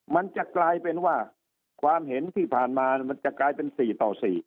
มันจะกลายเป็นว่าความเห็นที่ผ่านมามันจะกลายเป็น๔ต่อ๔